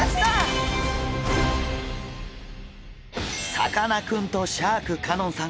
さかなクンとシャーク香音さん